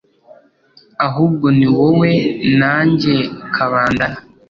ahubwo ni wowe nanjye kabandana